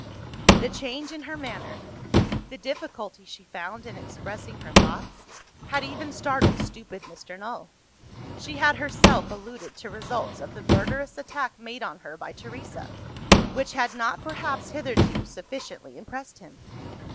The change in her manner, the difficulty she found in expressing her thoughts, had even startled stupid Mr. Null. She had herself alluded to results of the murderous attack made on her by Teresa, which had not perhaps hitherto sufficiently impressed him.